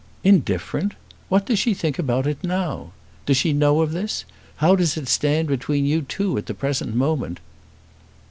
"Indifferent! What does she think about it now? Does she know of this? How does it stand between you two at the present moment?"